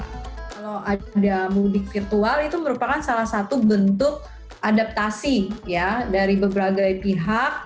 kalau ada mudik virtual itu merupakan salah satu bentuk adaptasi ya dari berbagai pihak